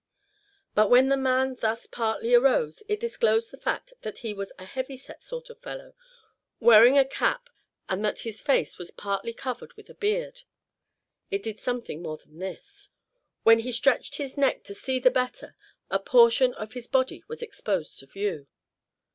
But when the man thus partly arose it disclosed the fact that he was a heavyset sort of a fellow, wearing a cap and that his face was partly covered with a beard. It did something more than this. When he stretched his neck to see the better a portion of his body was exposed to view.